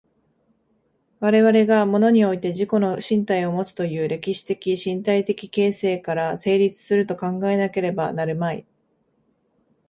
我々が物において自己の身体をもつという歴史的身体的形成から成立すると考えなければなるまい。